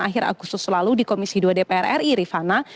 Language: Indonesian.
akhir agustus lalu di komisi dua dpr ri rifana